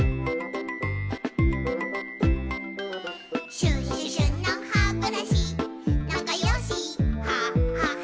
「シュシュシュのハブラシなかよしハハハ」